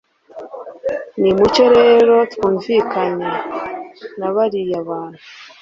nimucyo rero twumvikane na bariya bantu